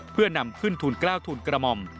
เพื่อนำขึ้นทุน๙ทุนกรมม